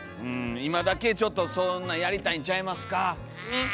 今だけちょっとそんなんやりたいんちゃいますか。ね！